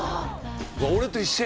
俺と一緒や。